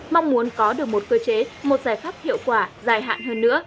mong muốn có được một cơ chế một giải pháp hiệu quả dài hạn hơn nữa